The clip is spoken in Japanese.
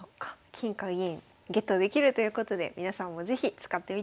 金か銀ゲットできるということで皆さんも是非使ってみてください。